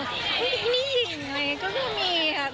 ไม่มีอะไรอย่างนี้ก็ไม่มีครับ